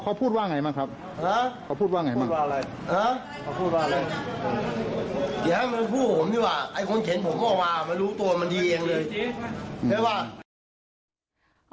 เค้ารู้ตัวมันดีเองเลย